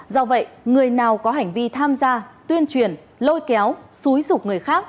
do vậy người nào có hành vi tham gia tuyên truyền lôi kéo xúi dục người khác